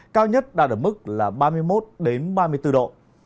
cao nhất đạt ở mức là ba mươi một ba mươi bốn độ